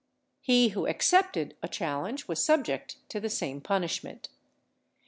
He who accepted a challenge was subject to the same punishment.